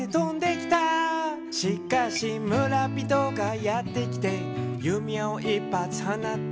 「しかし村人がやって来て」「弓矢を一ぱつはなったら」